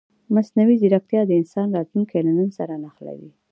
مصنوعي ځیرکتیا د انسان راتلونکی له نن سره نښلوي.